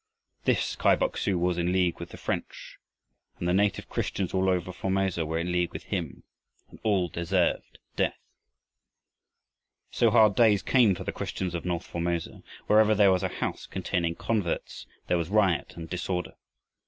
This Kai Bok su was in league with the French, and the native Christians all over Formosa were in league with him, and all deserved death! * War in 1844. So hard days came for the Christians of north Formosa. Wherever there was a house containing converts, there was riot and disorder.